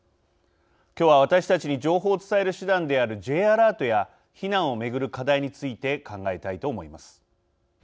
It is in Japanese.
今日は、私たちに情報を伝える手段であるＪアラートや避難を巡る課題について考えたいと思います。